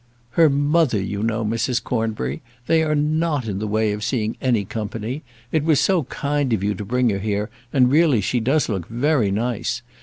"Her mother, you know, Mrs. Cornbury; they are not in the way of seeing any company. It was so kind of you to bring her here, and really she does look very nice.